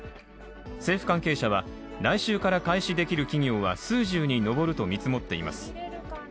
政府関係者は、来週から開始できる企業は数十に上ると見積もっています。